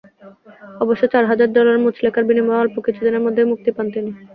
অবশ্য চার হাজার ডলার মুচলেকার বিনিময়ে অল্প কিছুদিনের মধ্যেই মুক্তি পান তিনি।